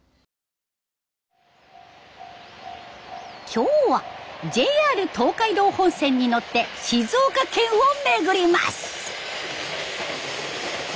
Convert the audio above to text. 今日はＪＲ東海道本線に乗って静岡県を巡ります。